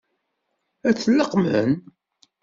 Ad t-leqqmen?